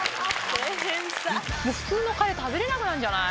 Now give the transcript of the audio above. もう普通のカレー食べれなくなんじゃない？